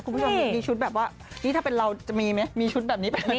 คุณผู้ชมมีชุดแบบว่านี่ถ้าเป็นเราจะมีไหมมีชุดแบบนี้เป็นไหม